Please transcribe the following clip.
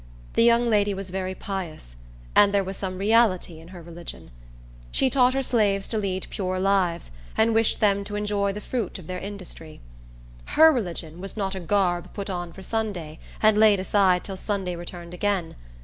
The young lady was very pious, and there was some reality in her religion. She taught her slaves to lead pure lives, and wished them to enjoy the fruit of their own industry. Her religion was not a garb put on for Sunday, and laid aside till Sunday returned again.